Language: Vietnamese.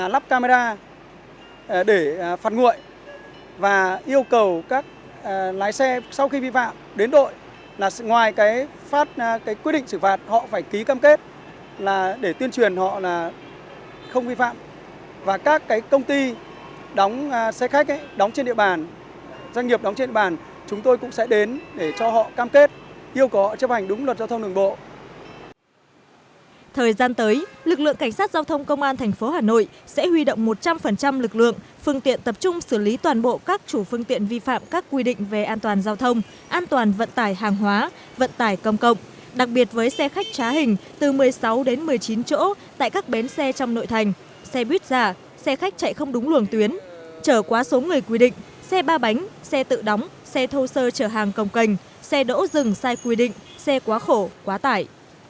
lực lượng cảnh sát giao thông công an tp hà nội sẽ huy động một trăm linh lực lượng phương tiện tập trung xử lý toàn bộ các chủ phương tiện vi phạm các quy định về an toàn giao thông an toàn vận tải hàng hóa vận tải công cộng đặc biệt với xe khách trá hình từ một mươi sáu đến một mươi chín chỗ tại các bén xe trong nội thành xe buýt giả xe khách chạy không đúng luồng tuyến trở quá số người quy định xe ba bánh xe tự đóng xe thô sơ trở hàng công cành xe đỗ rừng sai quy định xe quá khổ quá tải